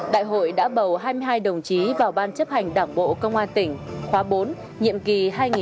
đại hội đã bầu hai mươi hai đồng chí vào ban chấp hành đảng bộ công an tỉnh khóa bốn nhiệm kỳ hai nghìn hai mươi hai nghìn hai mươi năm